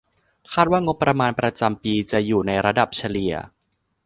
คาดว่างบประมาณประจำปีจะอยู่ในระดับเฉลี่ย